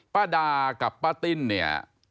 ป้าดากับป้าติ้นเนี่ย